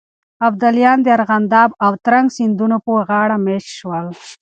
ابداليان د ارغنداب او ترنک سيندونو پر غاړو مېشت شول.